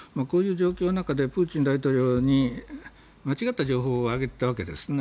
こういう状況の中でプーチン大統領に間違った情報を上げたわけです。